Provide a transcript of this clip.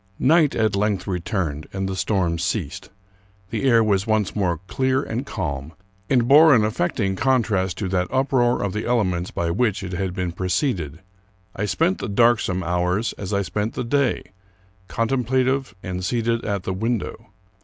Night at length returned, and the storm ceased. The air was once more clear and calm, and bore an affecting contrast to that uproar of the elements by which it had been preceded. I spent the darksome hours, as I spent the day, contemplative and seated at the window.